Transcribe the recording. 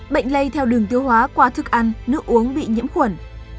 bệnh lây theo đường tiêu hóa qua thức ăn nước uống bị nhiễm khuẩn